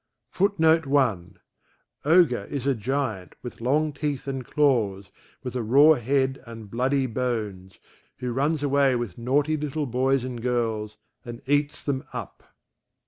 [Footnote 1: OGRE is a giant, with long teeth and claws, with a raw head and bloody bones, who runs away with naughty little boys and girls, and eats them up.